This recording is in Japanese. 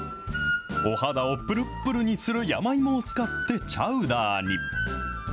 お肌をぷるぷるにする山芋を使って、チャウダーに。